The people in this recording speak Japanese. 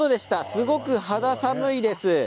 すごく肌寒いです